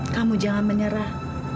kamu jangan menyerah